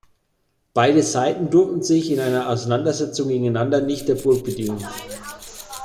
Beide Seiten durften sich in einer Auseinandersetzungen gegeneinander nicht der Burg bedienen.